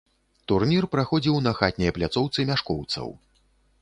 Турнір праходзіў на хатняй пляцоўцы мяшкоўцаў.